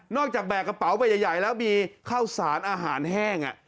จากแบกกระเป๋าไปใหญ่แล้วมีข้าวสารอาหารแห้ง